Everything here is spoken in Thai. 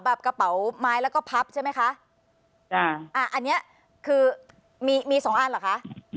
กระเป๋าไม้แล้วก็พับใช่ไหมคะอ่าอ่าอันเนี้ยคือมีมีสองอันเหรอคะ